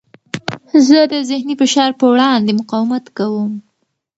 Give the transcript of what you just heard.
زه د ذهني فشار په وړاندې مقاومت کوم.